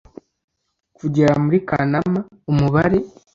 kugera muri Kanama umubare